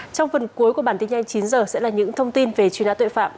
trong phần cuối của bản tin nhanh chín giờ sẽ là những thông tin về truyền án tội phạm